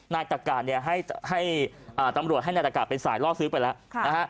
นายตะกะตำรวจให้นายตะกะเป็นสายล่อซื้อไปแล้ว